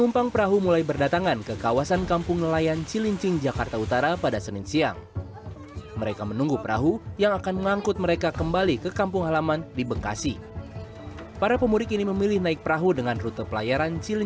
jangan lupa like share dan subscribe channel ini